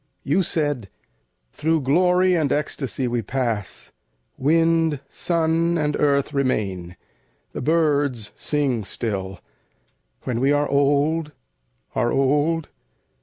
You said, "Through glory and ecstasy we pass; Wind, sun, and earth remain, the birds sing still, When we are old, are old.